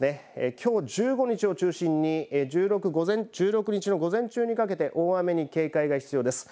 きょう１５日を中心に１６日の午前中にかけて大雨に警戒が必要です。